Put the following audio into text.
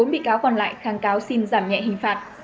bốn bị cáo còn lại kháng cáo xin giảm nhẹ hình phạt